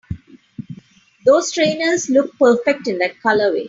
Those trainers look perfect in that colorway!